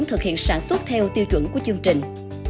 thực hiện sản xuất theo tiêu chuẩn của chương trình